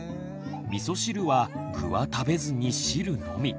みそ汁は具は食べずに汁のみ。